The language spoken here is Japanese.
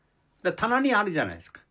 棚にあるじゃないですか。